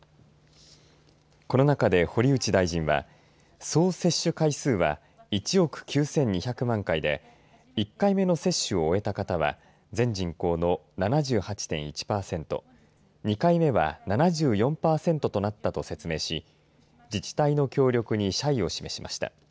この中で堀内大臣は総接種回数は１億９２００万回で１回目の接種を終えた方は全人口の７８．１パーセント２回目は７４パーセントとなったと説明し自治体の協力に謝意を示しました。